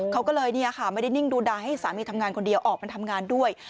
เขาก็เลยไม่ได้นิ่งดูดายให้สามีทำงานคนเดียวออกมาทำงานด้วย